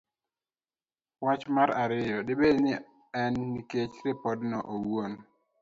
Wach mar Ariyo. Dibed ni en nikech ripodno owuon?